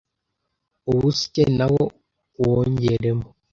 uwusye nawo uwongeremo